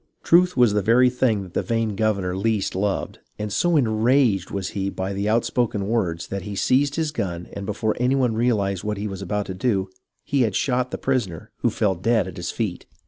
Truth was the very thing that the vain governor least loved, and so enraged was he by the outspoken words, that he seized his gun and before any one realized what he was about to do, he had shot the prisoner, who fell dead at his feet.